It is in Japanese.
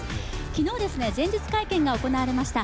昨日前日会見が行われました。